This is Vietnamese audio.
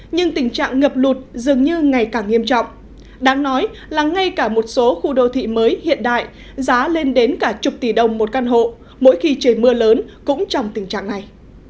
nhưng tình trạng ngập lụt dường như ngày càng nghiêm trọng đáng nói là ngay cả một số khu đô thị mới hiện đại giá lên đến cả chục tỷ đồng một căn hộ mỗi khi trời mưa lớn cũng trong tình trạng này